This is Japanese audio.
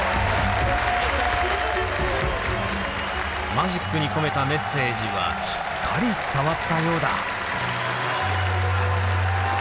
マジックに込めたメッセージはしっかり伝わったようだ。